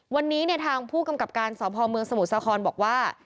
วันนี้เนี่ยทางผู้กำกับการสพเมืองสมุทรสาครบอกว่า